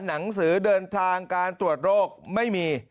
หนังสือเดินทางการตรวจโรคไม่มี